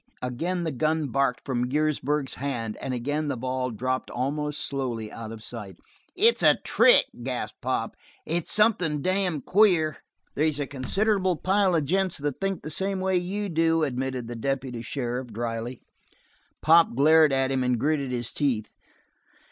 Again the gun barked from Giersberg's hand, and again the ball dropped almost slowly out of sight. "It's a trick!" gasped Pop. "It's something damned queer." "They's a considerable pile of gents, that think the same way you do," admitted the deputy sheriff, dryly. Pop glared at him and gritted his teeth.